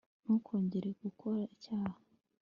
ntukongere gukora icyaha